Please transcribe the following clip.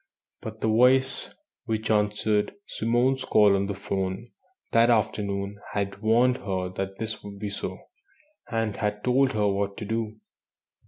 But the voice which answered Simone's call on the 'phone that afternoon had warned her that this would be so, and had told her what to do.